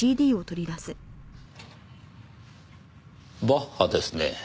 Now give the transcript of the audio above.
バッハですねぇ。